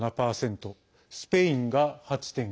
スペインが８．５％。